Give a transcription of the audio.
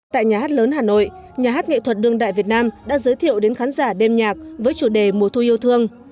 tại nhà hát lớn hà nội nhà hát nghệ thuật đương đại việt nam đã giới thiệu đến khán giả đêm nhạc với chủ đề mùa thu yêu thương